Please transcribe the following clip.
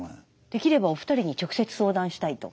できればお二人に直接相談したいと。